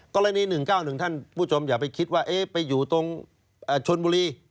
กรณี๑๙๑ท่านผู้ชมอย่าไปคิดว่าไปอยู่ตรงชนบุรี